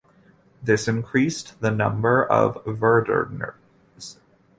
This increased the number of Verderers.